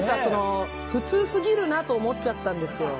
普通すぎるなと思っちゃったんですよ